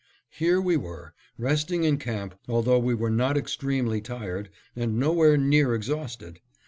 Here we were resting in camp, although we were not extremely tired and nowhere near exhausted.